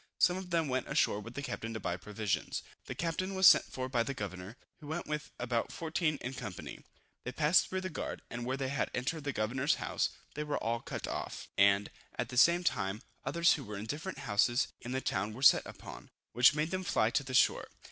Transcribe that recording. Some of them went ashore with the captain to buy provisions. The captain was sent for by the governor, who went with about 14 in company. They passed through the guard, and when they had entered the governor's house, they were all cut off; and, at the same time, others who were in different houses of the town were set upon, which made them fly to the shore.